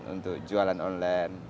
untuk jualan online